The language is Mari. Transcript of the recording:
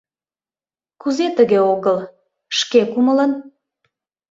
— Кузе тыге огыл — «шке кумылын»